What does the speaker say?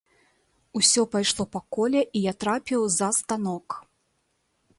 Усё пайшло па коле, і я трапіў за станок.